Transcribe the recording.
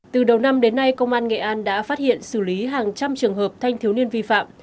từ đầu năm đến nay công an nghệ an đã phát hiện xử lý hàng trăm trường hợp thanh thiếu niên vi phạm